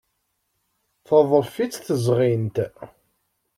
Teḍḍef-itt tezɣint.